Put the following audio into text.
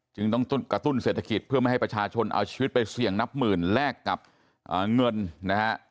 จึงต้องกระตุ้นเศรษฐกิจเพื่อไม่ให้ประชาชนเอาชีวิตไปเสี่ยงนับหมื่นแลกกับเงินนะฮะ